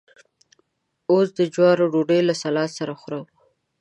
اوس د جوارو ډوډۍ له سلاد سره خورم.